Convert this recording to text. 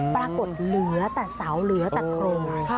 ปรากฏเหลือแต่เสาเหลือแต่โครง